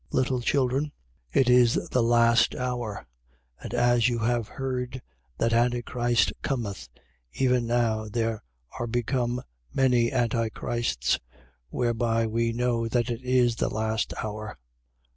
2:18. Little children, it is the last hour: and as you have heard that Antichrist cometh, even now there are become many Antichrists: whereby we know that it is the last hour.